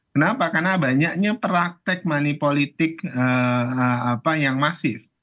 kenapa karena banyaknya praktek money politik yang masif